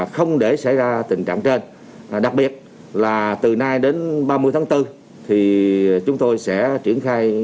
không để xảy ra tình trạng trên đặc biệt là từ nay đến ba mươi tháng bốn chúng tôi sẽ triển khai